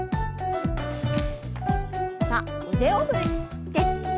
さあ腕を振って。